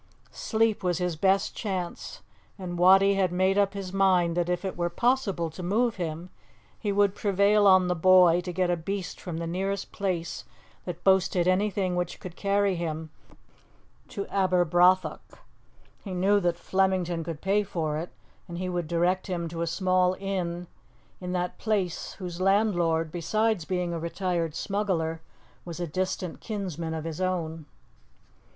Sleep was his best chance, and Wattie had made up his mind that if it were possible to move him, he would prevail on the boy to get a beast from the nearest place that boasted anything which could carry him to Aberbrothock. He knew that Flemington could pay for it, and he would direct him to a small inn in that place whose landlord, besides being a retired smuggler, was a distant kinsman of his own.